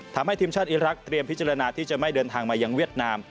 ทำให้ทีมชาติอิรักษ์เรียมพิจารณาที่จะไม่เดินทางมายังเวียดนาม